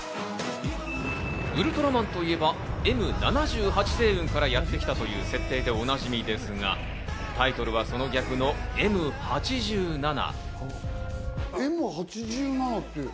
ウルトラマンといえば、Ｍ７８星雲からやってきたという設定でおなじみですが、タイトルはその逆の『Ｍ八七』。